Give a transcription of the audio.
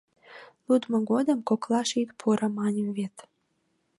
«Лудмо годым коклаш ит пуро!» маньым вет!